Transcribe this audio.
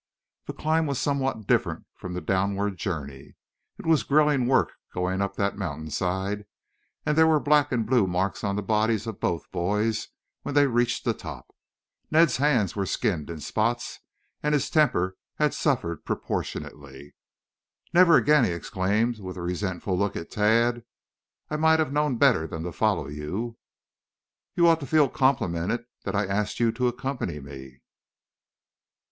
The climb was somewhat different from the downward journey. It was grilling work going up that mountainside, and there were black and blue marks on the bodies of both boys when they reached the top. Ned's hands were skinned in spots and his temper had suffered proportionately. "Never again!" he exclaimed with a resentful look at Tad. "I might have known better than to follow you." "You ought to feel complimented that I asked you to accompany me."